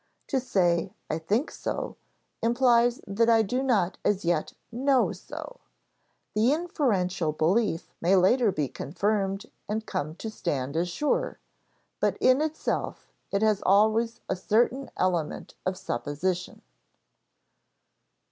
To say "I think so" implies that I do not as yet know so. The inferential belief may later be confirmed and come to stand as sure, but in itself it always has a certain element of supposition.